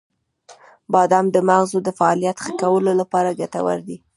• بادام د مغزو د فعالیت ښه کولو لپاره ګټور دی.